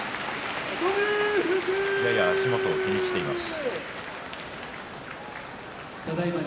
やや足元を気にしています。